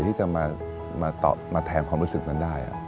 ที่จะมาแถมความรู้สึกนั้นได้